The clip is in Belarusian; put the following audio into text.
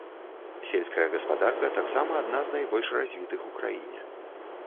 Сельская гаспадарка таксама адна з найбольш развітых у краіне.